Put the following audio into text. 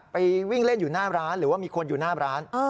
วิ่งเล่นอยู่หน้าร้านหรือว่ามีคนอยู่หน้าร้าน